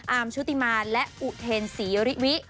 ชุติมาและอุเทนศรีริวิ